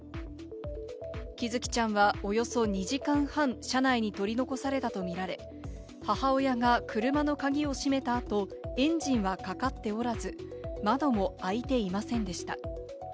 喜寿生ちゃんはおよそ２時間半、車内に取り残されたと見られ、母親が車の鍵を閉めた後、エンジンはかかっておらず、窓も開いていませんでした。